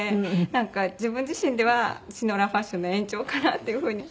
なんか自分自身ではシノラーファッションの延長かなっていう風に。